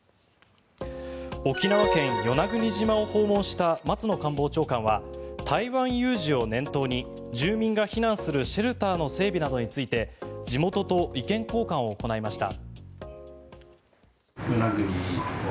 沖縄県・与那国島を訪問した松野官房長官は台湾有事を念頭に住民が避難するシェルターの整備などについて地元と意見交換を行いました。